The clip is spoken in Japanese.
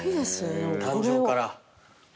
誕生から。